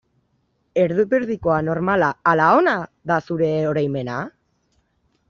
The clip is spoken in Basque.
Erdipurdikoa, normala ala ona da zure oroimena?